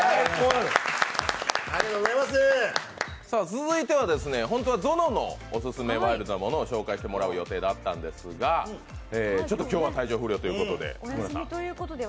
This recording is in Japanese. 続いては本当はぞののオススメ、ワイルドなものを紹介してもらう予定だったんですが、ちょっと今日は体調不良ということで。